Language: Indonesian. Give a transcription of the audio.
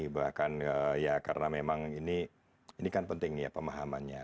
bahkan ya karena memang ini kan penting ya pemahamannya